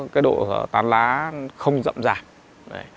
cái độ tán lá không rậm rạp